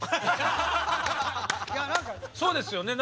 そうですよね。